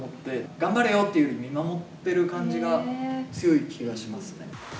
頑張れよっていうより、見守ってる感じが強い気がしますね。